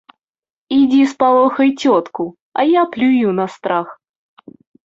Ідзі спалохай цётку, а я плюю на страх.